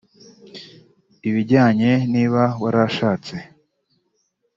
ibijyanye niba warashatse